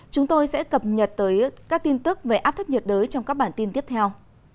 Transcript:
chúng tôi sẽ cập nhật tới các tin tức về áp thấp nhiệt đới trong các bản tin tiếp theo